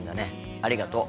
ありがとう。